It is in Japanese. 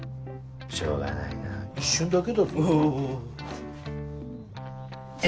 しょうがないなぁ一瞬だけだぞ？